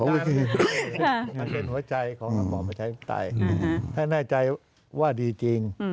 มาเสียเหาะใจของคนพอบริเทศใต้ให้แน่ใจว่าดีจริง